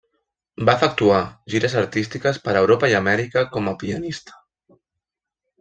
Va efectuar gires artístiques per Europa i Amèrica com a pianista.